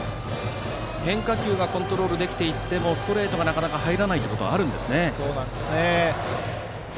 変化球がコントロールできていてもストレートがなかなか入らないことはあるんですね。